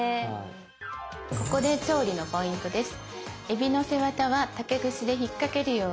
ここで調理のポイントです。